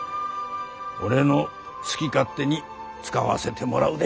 俺の好き勝手に使わせてもらうで。